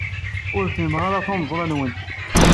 Ur fhimeɣ ara tameẓla-nwent.